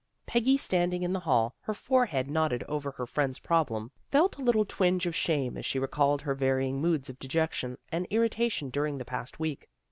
Peggy, standing in the hall, her forehead knotted over her friend's problem, felt a little twinge of shame as she recalled her varying moods of dejection and irritation during the past week.